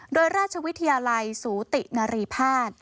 โดยราชวิทยาลัยสูตินารีภาษณ์